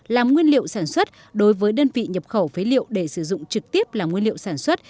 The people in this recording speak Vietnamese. làm nguyên liệu sản xuất đối với đơn vị nhập khẩu phế liệu để sử dụng trực tiếp là nguyên liệu sản xuất